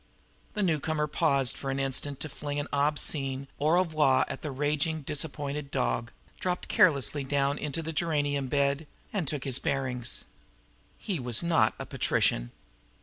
The newcomer paused an instant to fling an obscene au revoir at the raging, disappointed dog, dropped carelessly down into a geranium bed, and took his bearings. He was not a patrician.